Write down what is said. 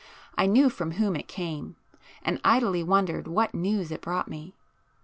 I knew from whom it came, and idly wondered what news it brought me.